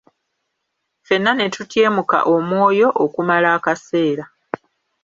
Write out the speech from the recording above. Fenna ne tutyemuka omwoyo okumala akaseera.